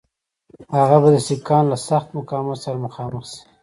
هغه به د سیکهانو له سخت مقاومت سره مخامخ شي.